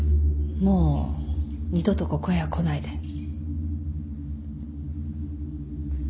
もう二度とここへは来ないで。